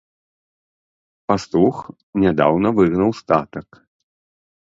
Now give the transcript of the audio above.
Пастух нядаўна выгнаў статак.